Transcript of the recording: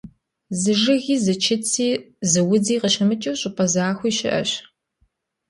Зы жыги, зы чыци, зы удзи къыщымыкӀыу щӀыпӀэ захуи щыӀэщ.